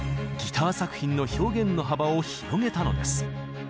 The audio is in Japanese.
ギター作品の表現の幅を広げたのです。